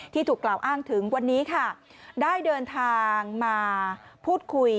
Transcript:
ถูกกล่าวอ้างถึงวันนี้ค่ะได้เดินทางมาพูดคุย